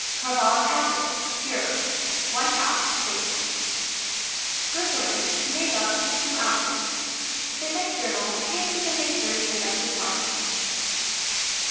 Carbolic Acid (pure) ½ " Glycerine, to make up to 2 oz. If external, paint with the mixture the affected parts.